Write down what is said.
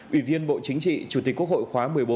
ủy viên bộ chính trị chủ tịch quốc hội khóa một mươi bốn